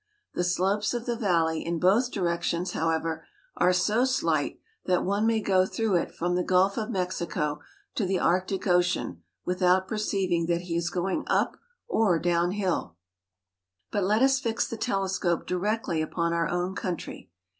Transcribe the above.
The slopes of the valley in both directions, how ever, are so slight that one may go through it from the Gulf of Mexico to the Arctic Ocean without perceiving that he is going up or down hill. GENERAL VIEW. I3 But let us fix the telescope directly upon our own coun try.